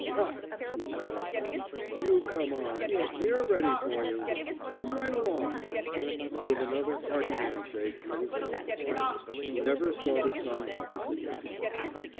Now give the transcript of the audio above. "Ha!" he laughed, "you come on! We are ready for you. Come right along!" And with another hearty hand shake he was gone. He never saw the Sun office again.